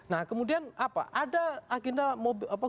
nah kemudian apa ada agenda